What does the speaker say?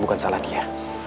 bukan salah dia